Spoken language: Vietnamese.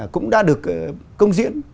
cũng đã được công diễn